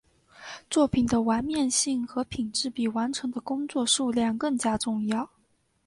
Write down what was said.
作品的完面性和品质比完成的工作数量更加重要。